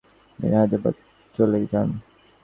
তিনি হায়দ্রাবাদ চলে যান।